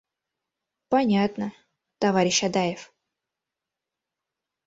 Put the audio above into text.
Понятно, товарищ Адаев...